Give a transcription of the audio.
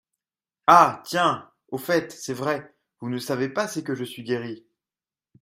Ah ! tiens ! au fait, c'est vrai, vous ne savez pas c'est que je suis guérie.